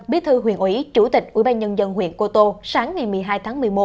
biết thư huyện ủy chủ tịch ủy ban nhân dân huyện cô tô sáng ngày một mươi hai tháng một mươi một